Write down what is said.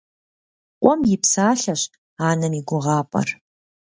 Къуэм и псалъэщ анэм и гугъапӏэр.